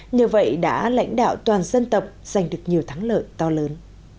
nhờ vậy đã lãnh đạo toàn dân tộc giành được nhiều thắng lợi to lớn